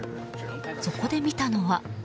そこで見たのは。